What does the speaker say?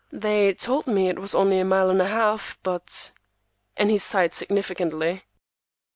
They told me it was only a mile and a half, but—." And he sighed significantly.